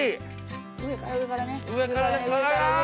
上から上からね。